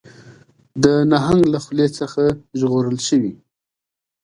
د نهنګ له خولې څخه ژغورل شوي